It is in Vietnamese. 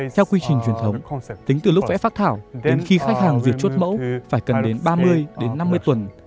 theo quy trình truyền thống tính từ lúc vẽ phát thảo đến khi khách hàng duyệt chốt mẫu phải cần đến ba mươi đến năm mươi tuần